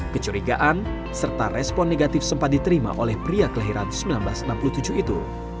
kecurigaan serta respon negatif sempat diterima oleh pria kelahiran seribu sembilan ratus enam puluh tujuh itu